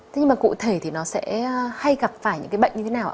thế nhưng mà cụ thể thì nó sẽ hay gặp phải những cái bệnh như thế nào ạ